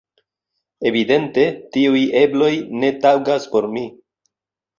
Evidente, tiuj ebloj ne taŭgas por mi.